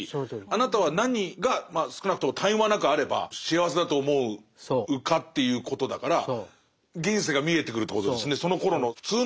あなたは何が少なくとも絶え間なくあれば幸せだと思うかっていうことだから現世が見えてくるってことですね。